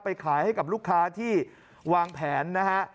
ขายให้กับลูกค้าที่วางแผนนะฮะ